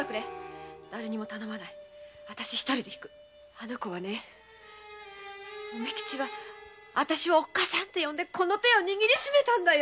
あの子はね梅吉はねあたしをおっかさんと呼んでこの手を握りしめたんだよ